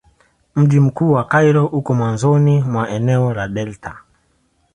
Mji mkuu wa Kairo uko mwanzoni mwa eneo la delta.